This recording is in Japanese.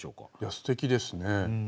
すてきですね